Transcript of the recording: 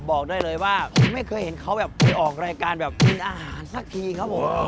บอกได้เลยว่าไม่เคยเห็นเขาแบบไปออกรายการแบบกินอาหารสักทีครับผม